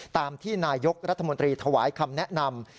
ตามที่นายกรัฐมนตรีถวายคำแนะนำ